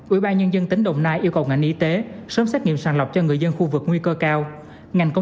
ủy ban nhân dân tỉnh đồng nai yêu cầu ngành y tế sớm xét nghiệm sàng lọc cho người dân khu vực nguy cơ cao